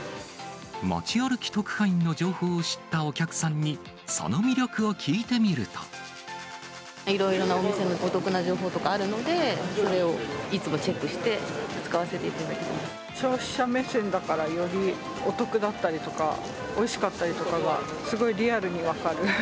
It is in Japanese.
まち歩き特派員の情報を知ったお客さんに、その魅力を聞いていろいろなお店のお得な情報とかあるので、それをいつもチェックして、使わせていただいてま消費者目線だから、よりお得だったりとか、おいしかったりとかがすごいリアルに分かる。